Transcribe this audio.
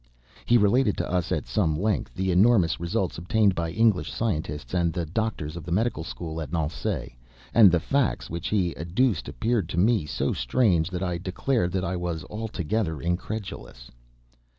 He related to us at some length, the enormous results obtained by English scientists and the doctors of the medical school at Nancy, and the facts which he adduced appeared to me so strange, that I declared that I was altogether incredulous.